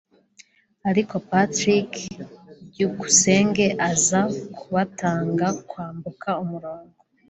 ariko Patrick Byukusenge aza kubatanga kwambuka umurongo